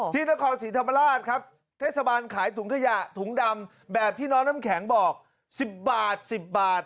ที่นครศรีธรรมราชครับเทศบาลขายถุงขยะถุงดำแบบที่น้องน้ำแข็งบอก๑๐บาท๑๐บาท